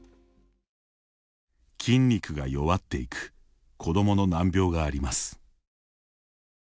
筋肉が弱っていく子どもの難病があります。